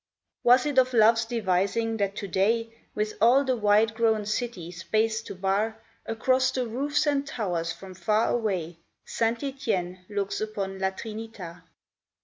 Was it of love's devising that to day, With all the wide grown city space to bar, Across the roofs and towers from far away St. Etienne looks upon La Trinita